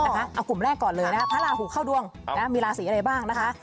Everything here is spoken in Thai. เอากลุ่มแรกก่อนเลยนะคะพระราหูเข้าดวงมีราศีอะไรบ้างนะคะ